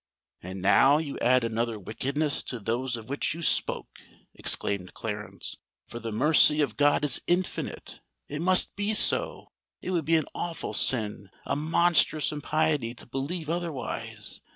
"And now you add another wickedness to those of which you spoke," exclaimed Clarence: "for the mercy of God is infinite! It must be so—it would be an awful sin, a monstrous impiety to believe otherwise!